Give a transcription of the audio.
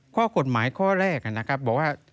ข้อกฎหมายข้อแรกนะครับบอกว่า